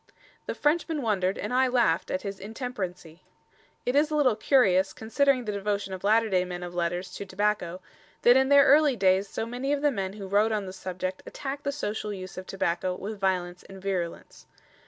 "The Frenchman wondered and I laughed at his intemperancie." It is a little curious, considering the devotion of latter day men of letters to tobacco, that in their early days so many of the men who wrote on the subject attacked the social use of tobacco with violence and virulence.